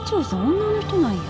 女の人なんや。